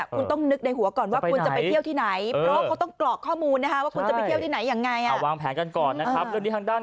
คุณต้องคิดนะคะว่าว่าคุณจะไปเที่ยวที่ไหน